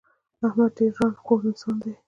احمد ډېر ًران خور انسان دی.